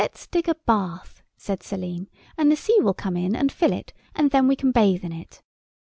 ] "Let's dig a bath," said Selim, "and the sea will come in and fill it, and then we can bathe in it."